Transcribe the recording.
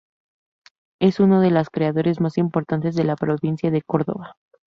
Es uno de los creadores más importantes de la provincia de Córdoba.